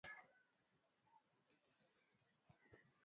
ni mbinu za kumlazimisha kuondoka